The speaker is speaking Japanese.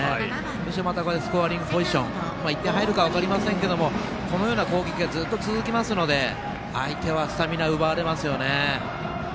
そして、スコアリングポジション１点入るかは分かりませんけどこのような攻撃がずっと続きますので相手はスタミナ奪われますよね。